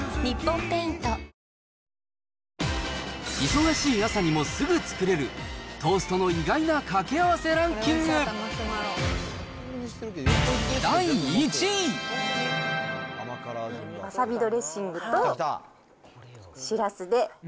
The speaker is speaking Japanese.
忙しい朝にもすぐ作れる、トーストの意外なかけ合わせランキング。